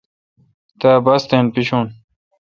تا باستھین پیشو۔